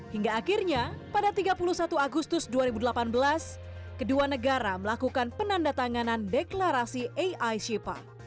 hingga akhirnya pada tiga puluh satu agustus dua ribu delapan belas kedua negara melakukan penanda tanganan deklarasi ai shipa